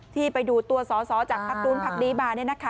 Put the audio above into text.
ที่ไปดูตัวสศจากภักดูนภักดิบาล